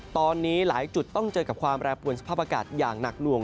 ตอนนี้หลายจุดต้องเจอกับความแปรปวนสภาพอากาศอย่างหนักหน่วง